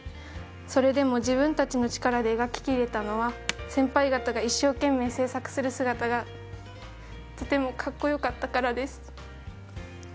それでも自分たちの力で描ききれたのは先輩がたが一生懸命制作する姿がとてもかっこよかったからです。